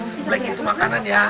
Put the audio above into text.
seblek itu makanan ya